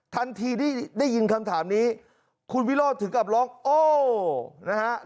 ทันทีที่ได้ยินคำถามนี้คุณวิโรธถึงกับร้องโอ้นะฮะ